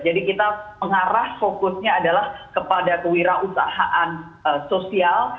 jadi kita mengarah fokusnya adalah kepada kewirausahaan sosial